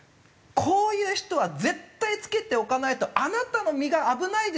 こういう人は絶対着けておかないとあなたの身が危ないですよと。